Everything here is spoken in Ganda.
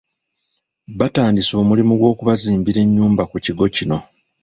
Batandise omulimo gw’okubazimbira ennyumba ku kigo kino.